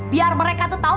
biar mereka tuh tau